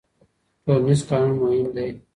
ټولنيز قانون مهم دی.